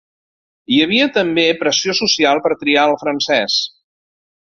Hi havia també pressió social per triar el francès.